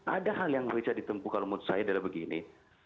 ada hal yang bisa ditempuhkan menurut saya adalah begini